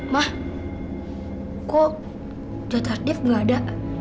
ma kok datar dev nggak ada